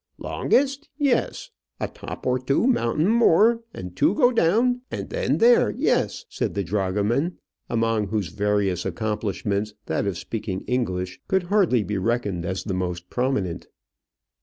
"Longest; yes. A top of two mountain more, and two go down, and then there; yes," said the dragoman, among whose various accomplishments that of speaking English could hardly be reckoned as the most prominent.